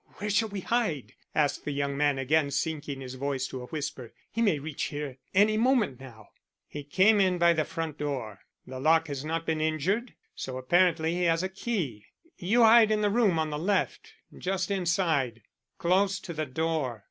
"Where shall we hide?" asked the young man, again sinking his voice to a whisper. "He may reach here any moment now." "He came in by the front door. The lock has not been injured, so apparently he has a key. You hide in the room on the left just inside, close to the door.